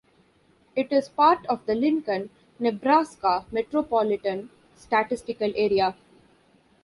It is part of the Lincoln, Nebraska Metropolitan Statistical Area.